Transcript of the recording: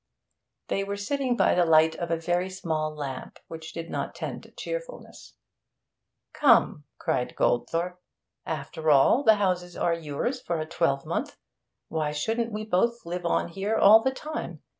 They were sitting by the light of a very small lamp, which did not tend to cheerfulness. 'Come,' cried Goldthorpe, 'after all, the houses are yours for a twelvemonth. Why shouldn't we both live on here all the time?